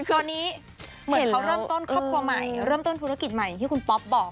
คือตอนนี้เพจเขาเริ่มต้นครอบครัวใหม่เริ่มต้นธุรกิจใหม่อย่างที่คุณป๊อปบอก